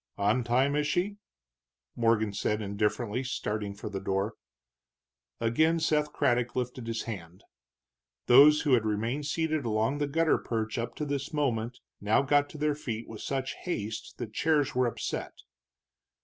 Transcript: "On time, is she?" Morgan said indifferently, starting for the door. Again Seth Craddock lifted his hand. Those who had remained seated along the gutter perch up to this moment now got to their feet with such haste that chairs were upset.